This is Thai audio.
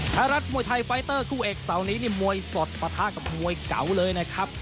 ไทยรัฐมวยไทยไฟเตอร์คู่เอกเสาร์นี้นี่มวยสดปะทะกับมวยเก่าเลยนะครับ